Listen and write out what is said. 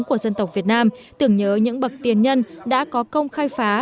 của dân tộc việt nam tưởng nhớ những bậc tiền nhân đã có công khai phá